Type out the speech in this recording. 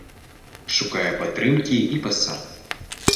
Шукае падтрымкі і пасад.